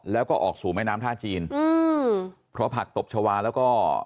แล้วก็ออกสู่แม่น้ำท่าจีนอืมเพราะผักตบชาวาแล้วก็